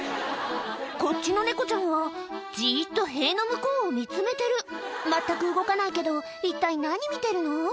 こっちの猫ちゃんはじっと塀の向こうを見つめてる全く動かないけど一体何見てるの？